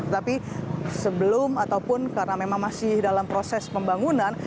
tetapi sebelum ataupun karena memang masih dalam proses pembangunan